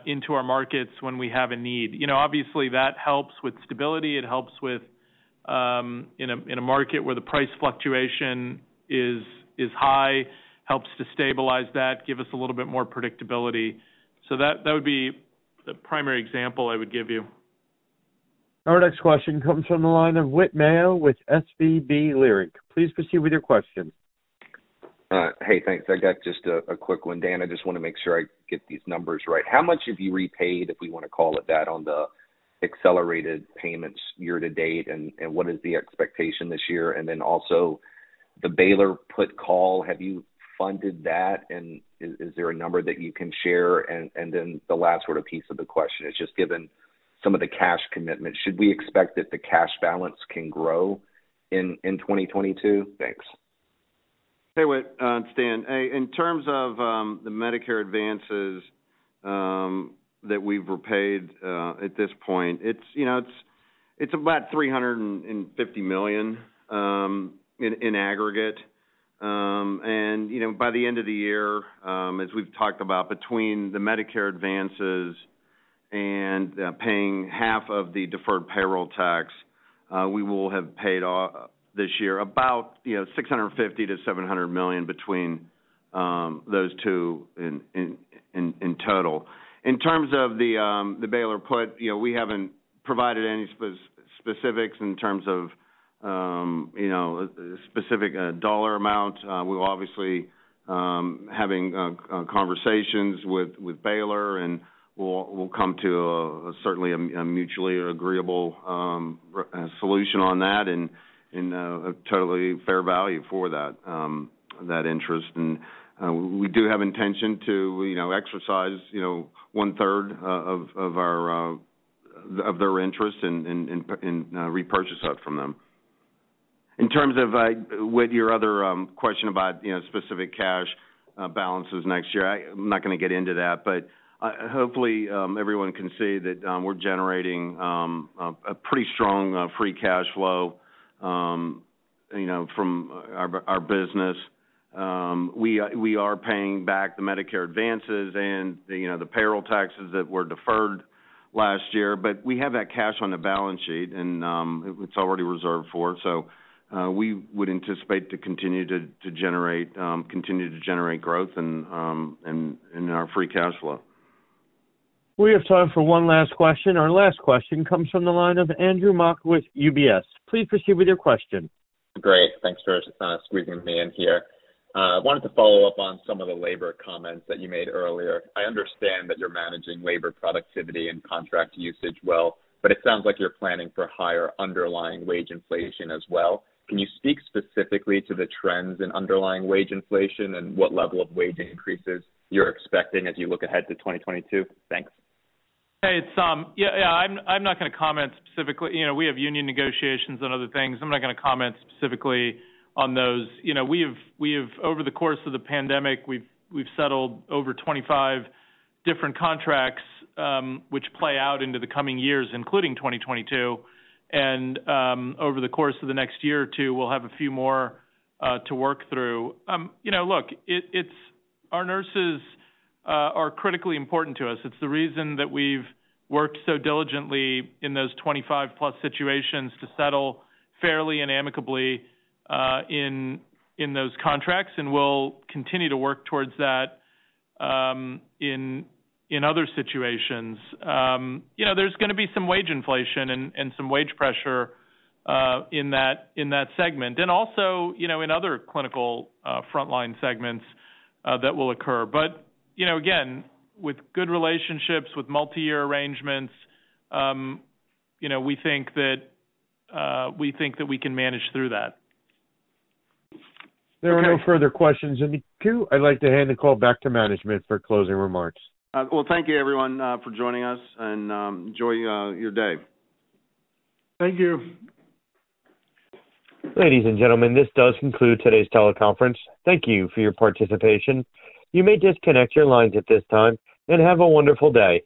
into our markets when we have a need. Obviously, that helps with stability, it helps in a market where the price fluctuation is high, helps to stabilize that, give us a little bit more predictability. That would be the primary example I would give you. Our next question comes from the line of Whit Mayo with SVB Leerink. Please proceed with your question. Hey, thanks. I got just a quick one. Dan, I just want to make sure I get these numbers right. How much have you repaid, if we want to call it that, on the accelerated payments year to date, and what is the expectation this year? Also, the Baylor put call, have you funded that, and is there a number that you can share? The last piece of the question is just given some of the cash commitments, should we expect that the cash balance can grow in 2022? Thanks. Hey, Whit. Dan. In terms of the Medicare advances that we've repaid at this point, it's about $350 million in aggregate. By the end of the year, as we've talked about between the Medicare advances and paying half of the deferred payroll tax. We will have paid off this year about $650 million-$700 million between those two in total. In terms of the Baylor put, we haven't provided any specifics in terms of specific dollar amount. We're obviously having conversations with Baylor, and we'll come to certainly a mutually agreeable solution on that and a totally fair value for that interest. We do have intention to exercise one-third of their interest and repurchase that from them. In terms of with your other question about specific cash balances next year, I'm not going to get into that. Hopefully, everyone can see that we're generating a pretty strong free cash flow from our business. We are paying back the Medicare advances and the payroll taxes that were deferred last year. We have that cash on the balance sheet, and it's already reserved for. We would anticipate to continue to generate growth in our free cash flow. We have time for one last question. Our last question comes from the line of Andrew Mok with UBS. Please proceed with your question. Great. Thanks for squeezing me in here. I wanted to follow up on some of the labor comments that you made earlier. I understand that you're managing labor productivity and contract usage well. It sounds like you're planning for higher underlying wage inflation as well. Can you speak specifically to the trends in underlying wage inflation and what level of wage increases you're expecting as you look ahead to 2022? Thanks. Hey, it's Saum. Yeah, I'm not going to comment specifically. We have union negotiations and other things. I'm not going to comment specifically on those. Over the course of the pandemic, we've settled over 25 different contracts, which play out into the coming years, including 2022, and over the course of the next year or two, we'll have a few more to work through. Look, our nurses are critically important to us. It's the reason that we've worked so diligently in those 25+ situations to settle fairly and amicably in those contracts. We'll continue to work towards that in other situations. There's going to be some wage inflation and some wage pressure in that segment. Also, in other clinical frontline segments that will occur. Again, with good relationships, with multi-year arrangements, we think that we can manage through that. There are no further questions in the queue. I'd like to hand the call back to management for closing remarks. Well, thank you everyone for joining us, and enjoy your day. Thank you. Ladies and gentlemen, this does conclude today's teleconference. Thank you for your participation. You may disconnect your lines at this time, and have a wonderful day.